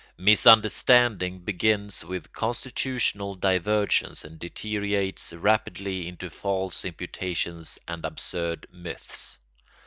Misunderstanding begins with constitutional divergence and deteriorates rapidly into false imputations and absurd myths.